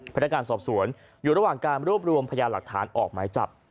พนักงานสอบสวนอยู่ระหว่างการรวบรวมพยานหลักฐานออกหมายจับ